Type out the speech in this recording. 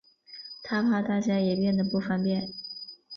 她怕大家也变得不方便